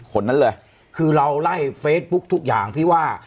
คนนั้นเลยคือเราไล่เฟซบุ๊คทุกอย่างพี่ว่า